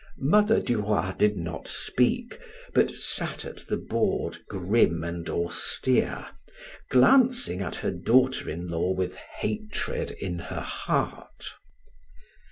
Mother Duroy did not speak, but sat at the board, grim and austere, glancing at her daughter in law with hatred in her heart.